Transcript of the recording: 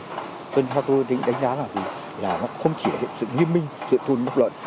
cho nên theo tôi định đánh đá là nó không chỉ là sự nghiêm minh chuyện thun bốc lợn